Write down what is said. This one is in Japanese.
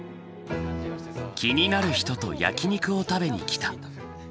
気になる人と焼き肉を食べに来た。